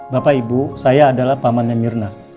bapak ibu saya adalah pamannya mirna